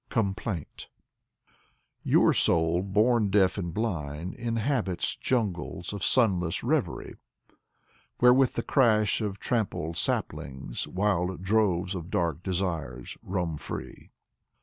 Vyacheslav Ivanov I03 COMPLAINT Your soul, bom deaf and blind, inhabits Jungles of sunless reverie. Where with the crash of trampled saplings Wild droves of dark desires roam free.